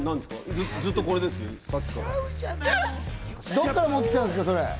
どっから持って来たんですか？